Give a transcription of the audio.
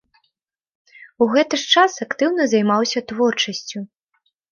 У гэты ж час актыўна займаўся творчасцю.